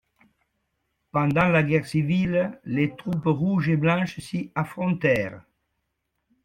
Pendant la guerre civile, les troupes rouges et blanches s'y affrontèrent.